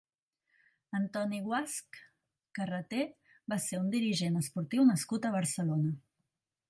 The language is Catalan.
Antoni Guasch Carreté va ser un dirigent esportiu nascut a Barcelona.